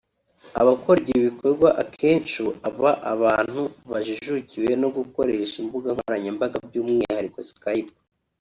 Abakora ibyo bikorwa akenshu aba abantu bajijukiwe no gukoresha imbuga nkoranyambaga by’umwihariko Skype